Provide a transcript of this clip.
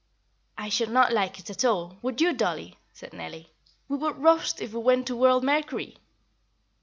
"I should not like it at all, would you, dollie?" said Nellie; "we would roast if we went to world Mercury."